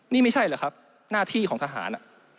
นี่ไม่ใช่เหรอครับหน้าที่ของทหาร